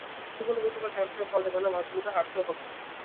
তার মানে জীবনে প্রতিবার চ্যাম্পিয়ন হওয়া যাবে না, মাঝেমধ্যে হারতেও হবে।